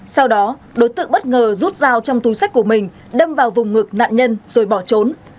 sau đó đối tượng bất ngờ rút dao trong túi sách của mình đâm vào vùng ngực nạn nhân rồi bỏ trốn